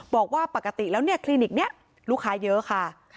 บอกว่าปกติแล้วเนี่ยคลินิกนี้ลูกค้าเยอะค่ะ